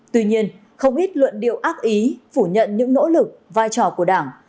tuy nhiên không ít luận điệu ác ý phủ nhận những nỗ lực vai trò của đảng